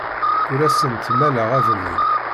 Ur asent-mmaleɣ abrid.